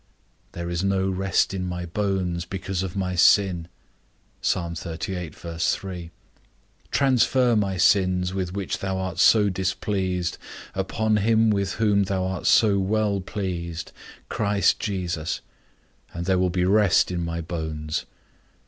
There is no rest in my bones, because of my sin; transfer my sins, with which thou art so displeased, upon him with whom thou art so well pleased, Christ Jesus, and there will be rest in my bones.